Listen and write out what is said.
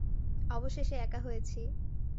অবশেষে একা হয়েছি।